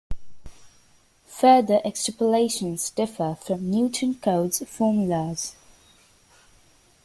Further extrapolations differ from Newton Cotes formulas.